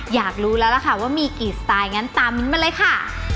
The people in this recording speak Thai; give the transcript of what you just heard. อยากรู้แล้วล่ะค่ะว่ามีกี่สไตล์งั้นตามมิ้นมาเลยค่ะ